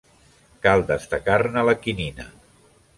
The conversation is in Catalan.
Cal destacar-ne la quinina.